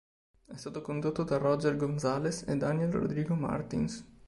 È stato condotto da Roger González e Daniel Rodrigo Martins.